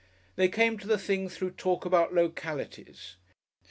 They came to the thing through talk about localities.